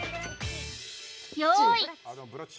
用意